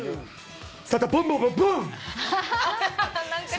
サタボンボンボンボーン！